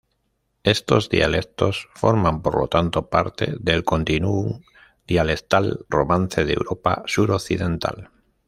Estos dialectos forman por lo tanto parte del continuum dialectal romance de Europa suroccidental.